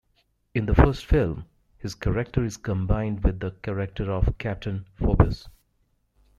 In the first film, his character is combined with the character of Captain Phoebus.